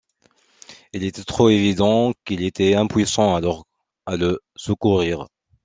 Il était trop évident qu’ils étaient impuissants alors à le secourir